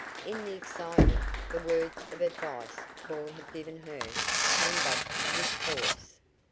In the excitement the words of advice Paul had given her came back with force.